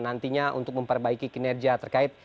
nantinya untuk memperbaiki kinerja terkait